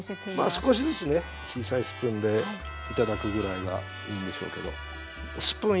少しずつね小さいスプーンで頂くぐらいがいいんでしょうけど。